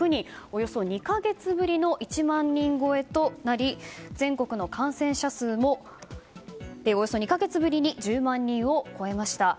およそ２か月ぶりの１万人超えとなり全国の感染者数もおよそ２か月ぶりに１０万人を超えました。